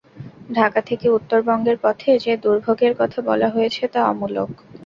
ঢাকা থেকে উত্তরবঙ্গের পথে যে দুর্ভোগের কথা বলা হয়েছে, তা অমূলক।